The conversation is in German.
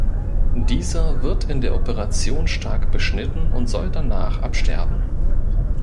Dieser wird in der Operation stark beschnitten und soll danach absterben.